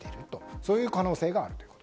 そういう可能性があるという。